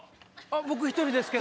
僕１人ですけど。